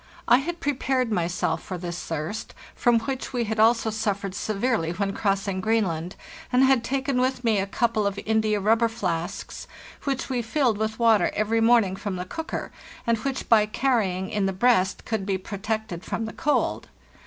I had prepared myself for this thirst, from which we had also suffered severely when crossing Greenland, and had taken with me a couple of india rubber flasks, which we filled with water every morning from the cooker, and which by carrying in the breast could be protected from the cold.